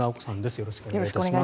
よろしくお願いします。